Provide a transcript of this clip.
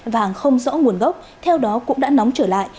và hàng không rõ nguồn gốc theo đó cũng đã nóng trở lại